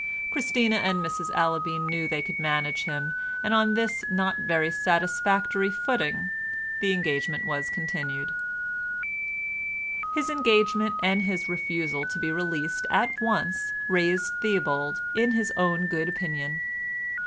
Christina and Mrs Allaby knew they could manage him, and on this not very satisfactory footing the engagement was continued. His engagement and his refusal to be released at once raised Theobald in his own good opinion.